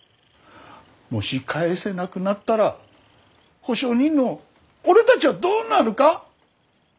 もし返せなくなったら保証人の俺たちはどうなるか。